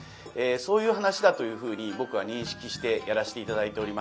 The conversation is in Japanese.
そういう噺だというふうに僕は認識してやらせて頂いております。